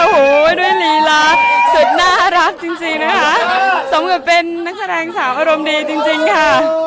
โอ้โหด้วยลีลาสุดน่ารักจริงนะคะสมกับเป็นนักแสดงสาวอารมณ์ดีจริงค่ะ